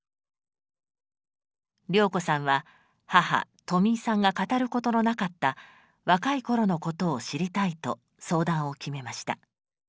良子さんは母・とみいさんが語ることのなかった若い頃のことを知りたいと相談を決めました。